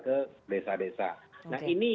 ke desa desa nah ini